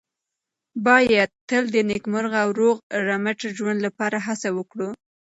باید تل د نېکمرغه او روغ رمټ ژوند لپاره هڅه وکړو.